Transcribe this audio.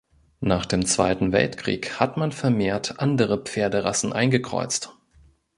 Nach dem Zweiten Weltkrieg hat man vermehrt andere Pferderassen eingekreuzt.